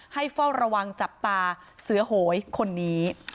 เฝ้าระวังจับตาเสือโหยคนนี้